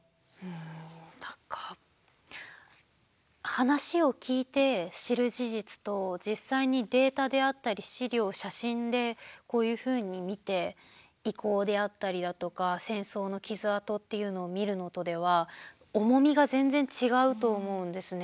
話を聞いて知る事実と実際にデータであったり資料、写真でこういうふうに見て遺構であったりだとか戦争の傷痕っていうのを見るのとでは重みが全然違うと思うんですね。